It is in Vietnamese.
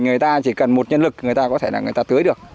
người ta chỉ cần một nhân lực người ta có thể là người ta tưới được